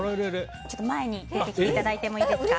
前に出てきていただいてもいいですか。